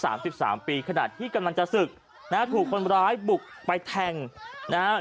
สามสิบสามปีขนาดที่กำลังจะศึกนะฮะถูกคนร้ายบุกไปแทงนะฮะ